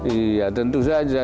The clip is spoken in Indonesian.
iya tentu saja